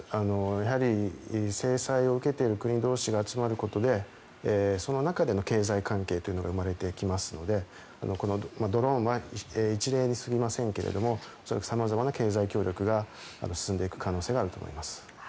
やはり制裁を受けている国同士が集まることでその中での経済関係というのが生まれてきますのでこのドローンは一例に過ぎませんが恐らく様々な経済協力が進んでいく可能性があります。